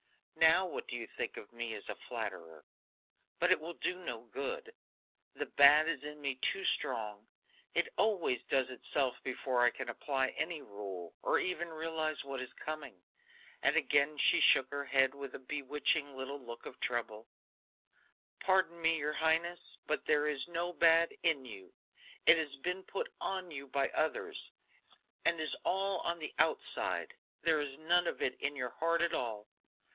Now what do you think of me as a flatterer? But it will do no good; the bad is in me too strong; it always does itself before I can apply any rule, or even realize what is coming." And again she shook her head with a bewitching little look of trouble. "Pardon me, your highness; but there is no bad in you. It has been put on you by others, and is all on the outside; there is none of it in your heart at all.